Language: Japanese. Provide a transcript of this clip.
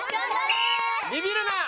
ビビるな！